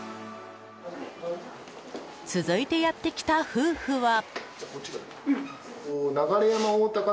続いてやってきた夫婦は。